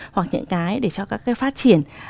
hoặc những cái để cho các cái phát triển